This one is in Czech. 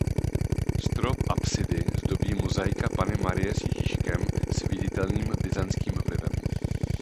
Strop apsidy zdobí mozaika Panny Marie s Ježíškem s viditelným byzantským vlivem.